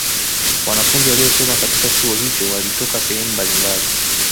Wanafunzi waliosoma katika Chuo hicho walitoka sehemu mbalimbali